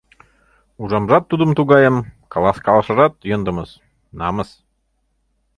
Ужамжат тудым тугайым, каласкалашыжат йӧндымыс, намыс.